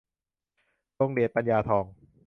คงเดช ปัญญาทอง